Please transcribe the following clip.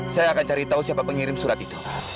saya akan cari tahu siapa pengirim surat itu